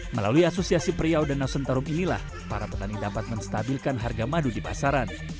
melalui asosiasi priau danau sentarum inilah para petani dapat menstabilkan harga madu di pasaran